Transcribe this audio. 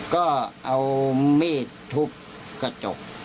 ก็เอามีดทุบกระจก